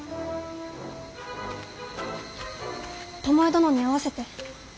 巴殿に会わせて。